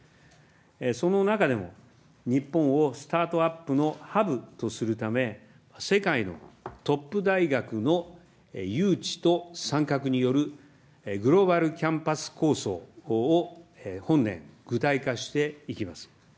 その中でも、日本をスタートアップのハブとするため、世界のトップ大学の誘致と参画によるグローバルキャンパス構想を本年、具体化していきます。